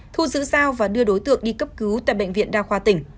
thu giữ dao và đưa đối tượng đi cấp cứu tại bệnh viện đa khoa tỉnh